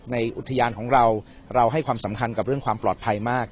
อุทยานของเราเราให้ความสำคัญกับเรื่องความปลอดภัยมาก